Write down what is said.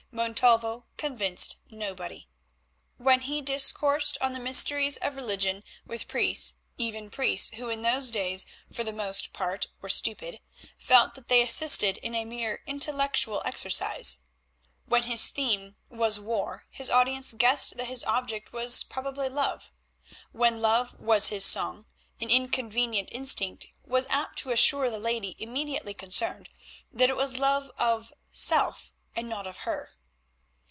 Montalvo convinced nobody. When he discoursed on the mysteries of religion with priests, even priests who in those days for the most part were stupid, felt that they assisted in a mere intellectual exercise. When his theme was war his audience guessed that his object was probably love. When love was his song an inconvenient instinct was apt to assure the lady immediately concerned that it was love of self and not of her.